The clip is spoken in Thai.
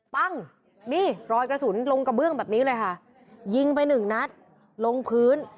ปั้งนี่รอยกระสุนลงกระเบื้องแบบนี้เลยค่ะยิงไปหนึ่งนัดลงพื้น